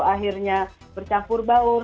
akhirnya bercampur baur